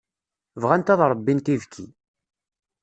Bɣant ad ṛebbint ibekki.